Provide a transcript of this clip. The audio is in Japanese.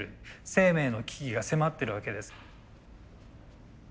生命の危機が迫ってるわけです。